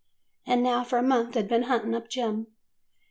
And now for a month they 'd been hunting up Jem.